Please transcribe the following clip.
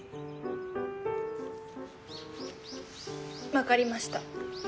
分かりました。